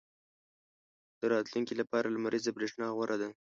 • د راتلونکي لپاره لمریزه برېښنا غوره ده.